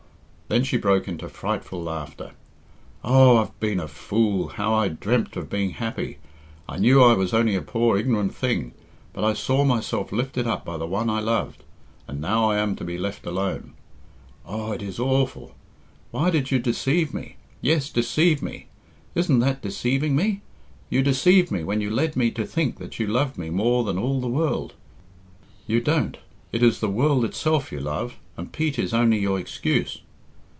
Then she broke into frightful laughter. "Oh, I have been a fool! How I dreamt of being happy! I knew I was only a poor ignorant thing, but I saw myself lifted up by the one I loved. And now I am to be left alone. Oh, it is awful! Why did you deceive me? Yes, deceive me! Isn't that deceiving me? You deceived me when you led me to think that you loved me more than all the world. You don't I It is the world itself you love, and Pete is only your excuse."